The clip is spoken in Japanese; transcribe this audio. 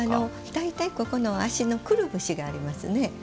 大体、足のくるぶしがありますね。